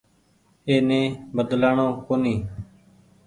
اي ني بدلآڻو ڪونيٚ ۔